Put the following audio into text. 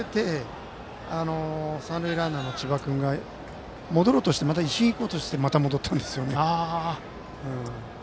三塁ランナーの千葉君が戻ろうとして行こうとしてまた戻ったんです。